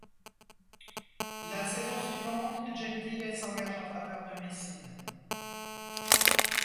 La saison suivante Gentile s'engage en faveur de Messine.